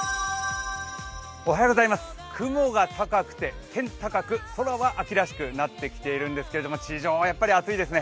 雲が高くて天高く空は秋らしくなってきているんですけども、地上はやっぱり暑いですね。